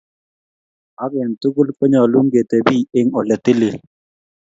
ak eng' tugul konyalun ke tebi eng' ole tilil